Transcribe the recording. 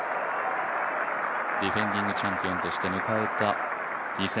ディフェンディングチャンピオンとして迎えた